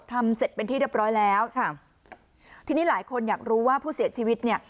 ทำเสร็จเป็นที่เรียบร้อยแล้วค่ะทีนี้หลายคนอยากรู้ว่าผู้เสียชีวิตเนี่ย